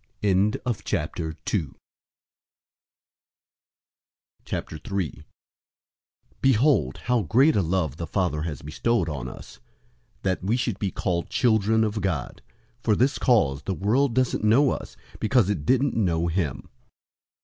003:001 Behold, how great a love the Father has bestowed on us, that we should be called children of God! For this cause the world doesn't know us, because it didn't know him.